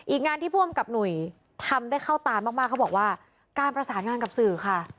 งานที่ผู้อำกับหนุ่ยทำได้เข้าตามากเขาบอกว่าการประสานงานกับสื่อค่ะ